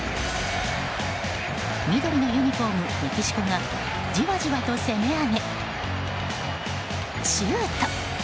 緑のユニホーム、メキシコがじわじわと攻め上げ、シュート！